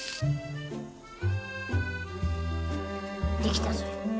できたぞよ。